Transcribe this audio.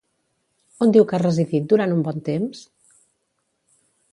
On diu ha residit durant un bon temps?